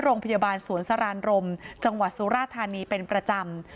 โรงพยาบาลสวนสรานรมจังหวัดสุราธานีเป็นประจำ